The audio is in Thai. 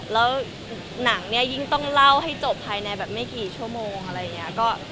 แล้วหนังเนี่ยยิ่งต้องเล่าให้จบภายในแบบไม่กี่ชั่วโมงอะไรอย่างนี้